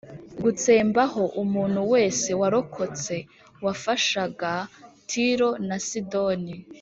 gutsembaho umuntu wese warokotse wafashagac Tiro na Sidoni